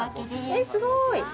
すごい。